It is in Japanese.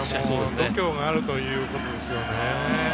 度胸があるということですよね。